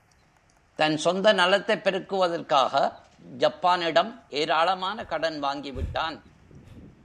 தன் சொந்த நலத்தைப் பெருக்குவதற்காக ஜப்பானிடம் ஏராளமான கடன் வாங்கிவிட்டான்.